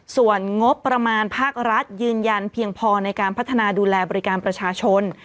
ส่วนงบประมาณภาครัฐยืนยันเพียงพอในการพัฒนาดูแลบริการประชาชน